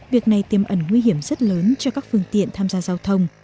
việc này tiêm ẩn nguy hiểm rất lớn cho các phương tiện tham gia giao thông